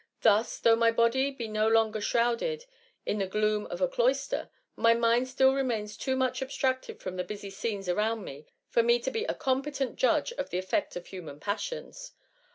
Thus, though my body be no longer shrouded in the gloom of a cloister, my mind still remains too much ab stracted from the busy scenes around me, for me to be a competent judge of the effect of human passions.""